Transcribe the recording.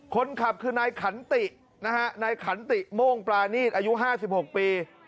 คนขับคือนายขันตินะฮะนายขันติโม่งปรานีตอายุ๕๖ปี